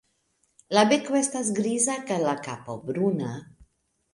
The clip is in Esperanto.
La beko esta griza kaj la kapo bruna.